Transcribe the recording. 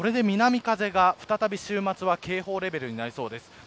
これで南風が再び週末は警報レベルになりそうです。